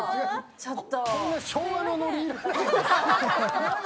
ちょっと！